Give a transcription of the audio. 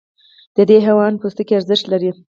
د دې حیوان پوستکی ارزښت لري.